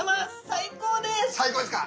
最高ですか？